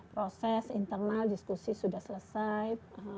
proses internal diskusi sudah selesai